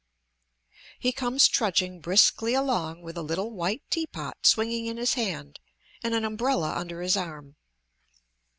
He comes trudging briskly along with a little white tea pot swinging in his hand and an umbrella under his arm.